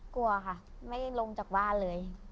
กลัวค่ะไม่ลงจากบ้านเลย